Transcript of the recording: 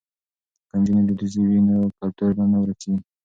که نجونې دودیزې وي نو کلتور به نه ورکيږي.